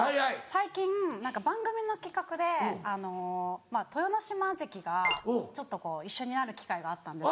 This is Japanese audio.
最近何か番組の企画で豊ノ島関がちょっと一緒になる機会があったんです。